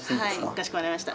かしこまりました。